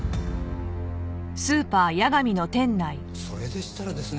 それでしたらですね